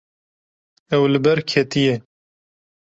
Ew li ber ketiye.